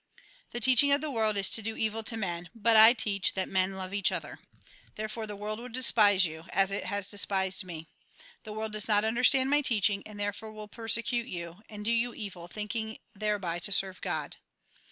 " The teaching of the world is to do evil to men ; but I teach that men love each other. Therefore the world will despise you, as it has despised me. The world does not understand my teaching, and there fore will persecute you, and do you evil, thinking thereby to serve God.